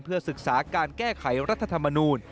ศึกษาการแก้ไขรัฐธรรมนูล